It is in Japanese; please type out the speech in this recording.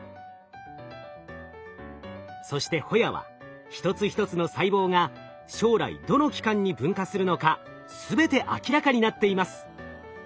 そしてホヤは一つ一つの細胞が将来どの器官に分化するのか全て明らかになっています。